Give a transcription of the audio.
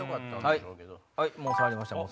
はいもう触りました